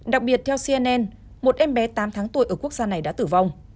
đặc biệt theo cnn một em bé tám tháng tuổi ở quốc gia này đã tử vong